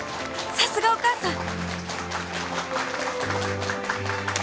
さすがお母さん！